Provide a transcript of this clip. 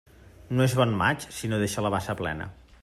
No és bon maig si no deixa la bassa plena.